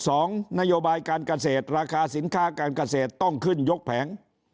สองนโยบายการเกษตรราคาสินค้าการเกษตรต้องขึ้นยกแผง